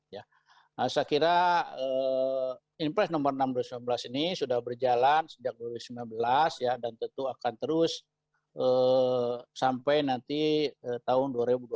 saya kira impres nomor enam dua ribu sembilan belas ini sudah berjalan sejak dua ribu sembilan belas dan tentu akan terus sampai nanti tahun dua ribu dua puluh empat